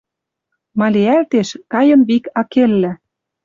Ма лиӓлтеш — кайын вик аккеллӓ